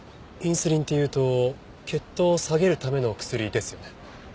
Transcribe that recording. インスリンっていうと血糖を下げるための薬ですよね？